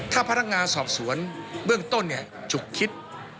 ถ้าพนักงานสอบสวนเบื้องต้นฉุกคิด